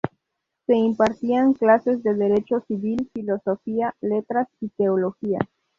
Se impartían clases de derecho civil, filosofía, letras y teología.